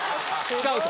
スカウト！